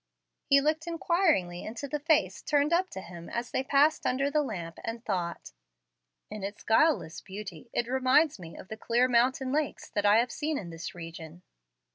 He looked inquiringly into the face turned up to him as they passed under the lamp, and thought, "In its guileless beauty it reminds me of the clear mountain lakes that I have seen in this region."